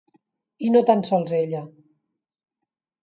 I no tan sols ella.